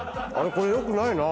これ良くないな。